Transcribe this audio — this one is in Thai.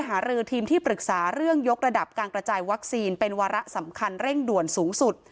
หารือทีมที่ปรึกษาเรื่องยกระดับการกระจายวัคซีนเป็นวาระสำคัญเร่งด่วนสูงสุด